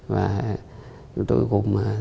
và chúng tôi gồm